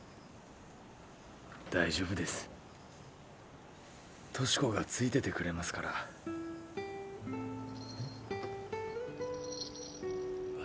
大丈夫です俊子がついててくれますからえッ？